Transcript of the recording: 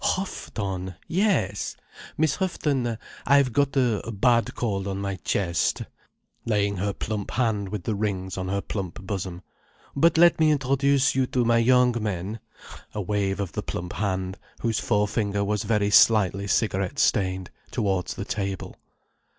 Huff ton—yes? Miss Houghton. I've got a bad cold on my chest—" laying her plump hand with the rings on her plump bosom. "But let me introduce you to my young men—" A wave of the plump hand, whose forefinger was very slightly cigarette stained, towards the table.